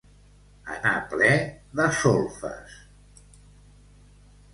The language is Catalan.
Anar ple de solfes.